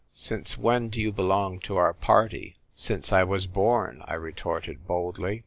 Since when do you belong to our party ?"" Since I was born," I retorted, boldly.